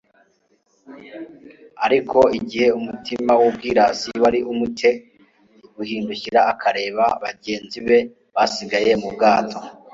ariko igihe umutima w'ubwirasi wari umutcye guhindukira akareba bagenzi be basigaye mu bwato,